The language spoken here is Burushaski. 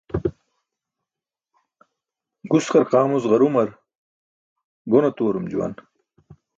Gus qarqaamuc ġarumar gon atuwarum juwan